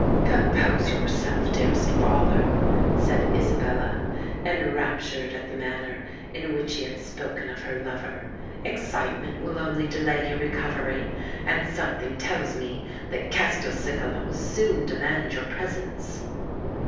"Compose yourself, dearest father," said Isabella, enraptured at the manner in which he had spoken of her lover: "excitement will only delay your recovery;—and something tells me that Castelcicala will soon demand your presence!"